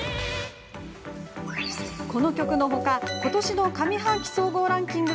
この曲のほかことしの上半期総合ランキング